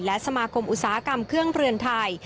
และสมาคมอุตสาหกรรมเครื่องเรือนไทย